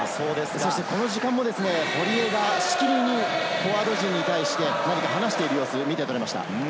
この時間も堀江がしきりにフォワード陣に対して何か話している様子が見て取れました。